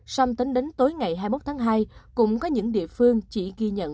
xong tính đến tối ngày hai mươi một tháng hai cũng có những địa phương chỉ ghi nhận